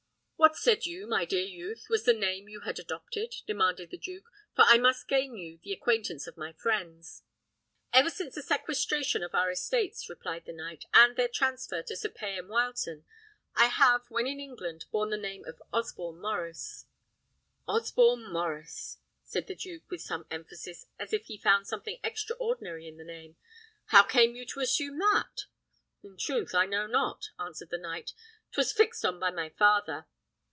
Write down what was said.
"What said you, my dear youth, was the name you had adopted?" demanded the duke; "for I must gain you the acquaintance of my friends." "Ever since the sequestration of our estates," replied the knight, "and their transfer to Sir Payan Wileton, I have, when in England, borne the name of Osborne Maurice." "Osborne Maurice!" said the duke, with some emphasis, as if he found something extraordinary in the name. "How came you to assume that?" "In truth, I know not," answered the knight; "'twas fixed on by my father."